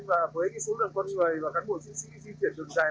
và với cái số lượng con người và các bộ di chuyển đường dài